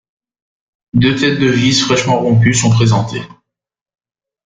Deux têtes de vis fraichement rompues sont présentées.